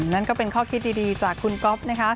นั่นก็เป็นข้อคิดดีจากคุณก๊อฟนะคะ